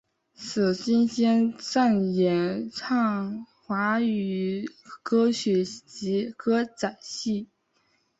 紫君兼擅演唱华语歌曲及歌仔戏。